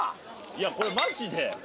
いやこれマジで。